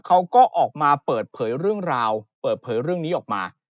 เขาก็ออกมาเปิดเผยเรื่องราวเปิดเผยเรื่องนี้ออกมา